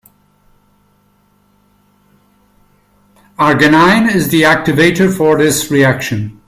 Arginine is the activator for this reaction.